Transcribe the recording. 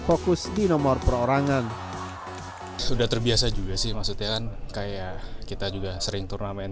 fokus di nomor perorangan sudah terbiasa juga sih maksudnya kan kayak kita juga sering turnamen